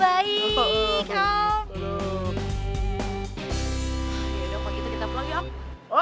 yaudah kita pulang ya om